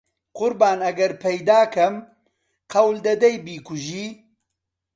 قوربان ئەگەر پەیدا کەم قەول دەدەی بیکوژی؟